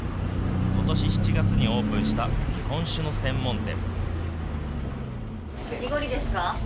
ことし７月にオープンした日本酒の専門店。